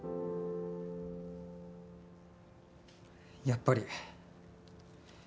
やっぱり。